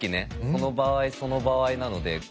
その場合その場合なので。